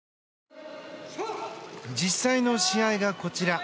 実際の試合がこちら。